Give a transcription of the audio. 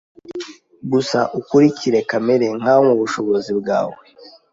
Gusa ukurikire kamere nkaho mubushobozi bwawe